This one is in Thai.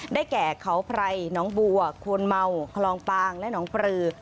แก่เขาไพรน้องบัวควนเมาคลองปางและน้องปลือ